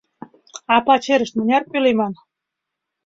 А пачерышт мыняр пӧлеман?